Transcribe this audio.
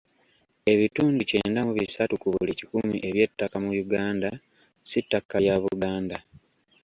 Ebitundu kyenda mu bisatu ku buli kikumi eby'ettaka mu Uganda si ttaka lya Buganda.